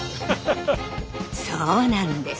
そうなんです。